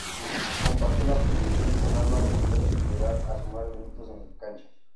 Compartió la posición con Álvaro Montero sin llegar a sumar minutos en cancha.